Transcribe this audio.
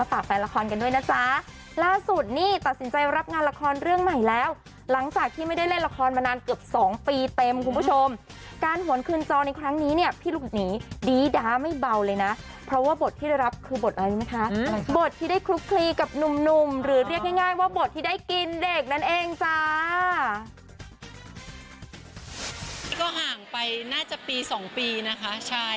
ไปน่าจะปี๒ปีนะคะใช่ด้วยโควิดด้วยอะไรอย่างนี้ค่ะ